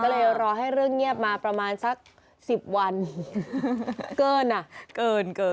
ก็เลยรอให้เรื่องเงียบมาประมาณสัก๑๐วันเกินอ่ะเกินเกิน